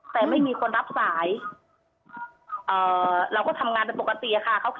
แต่ไม่มีคนรับสายเราก็ทำงานเป็นปกติค่ะ